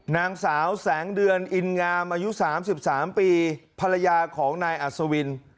นางสาวแสงเดือนอินงามอายุ๓๓ปีภรรยาของนายอัศวิน